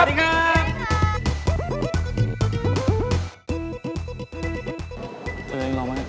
เจอยังรอมาก